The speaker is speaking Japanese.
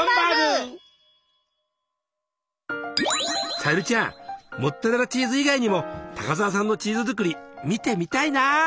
沙友理ちゃんモッツァレラチーズ以外にも高沢さんのチーズ作り見てみたいな。